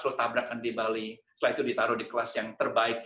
setelah tabrakan di bali setelah itu ditaruh di kelas yang terbaik